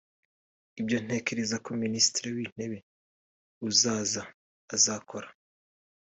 Ibyo ntekereza ko Minisitiri w’intebe uzaza azakora